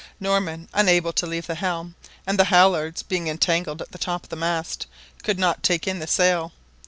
Norman, unable to leave the helm, and the halliards being entangled at the top of the mast, could not take in the sail.